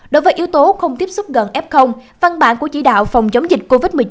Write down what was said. đối với yếu tố không tiếp xúc gần f văn bản của chỉ đạo phòng chống dịch covid một mươi chín